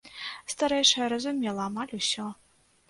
Старэйшая разумела амаль усё.